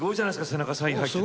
背中、サインが入ってて。